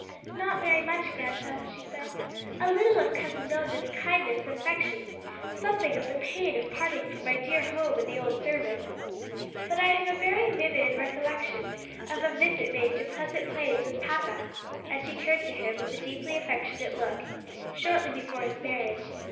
"Not very much, grandpa," she said: "a little of Cousin Mildred's kindness and affection; something of the pain of parting from my dear home and the old servants. But I have a very vivid recollection of a visit paid to Pleasant Plains with papa," and she turned to him with a deeply affectionate look, "shortly before his marriage.